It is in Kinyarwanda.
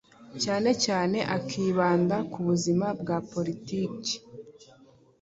cyane cyane akibanda ku buzima bwa politiki